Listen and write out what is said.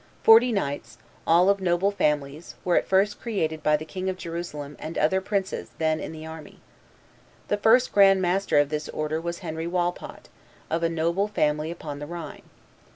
Forty knights, all of noble families, were at first created by the King of Jerusalem and other princes then in the army. The first grand master of this order was Henry Wallpot, of a noble family upon the Rhine.